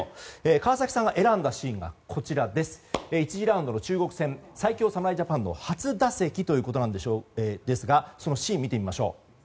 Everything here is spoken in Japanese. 川崎さんが選んだシーンは１次ラウンドの中国戦最強侍ジャパンの初打席ということですがそのシーンを見てみましょう。